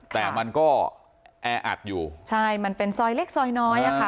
แต่มันก็แออัดอยู่ใช่มันเป็นซอยเล็กซอยน้อยอะค่ะ